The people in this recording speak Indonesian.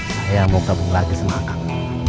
mau kamu lagi senang